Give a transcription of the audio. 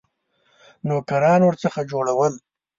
نوکران ورڅخه جوړول.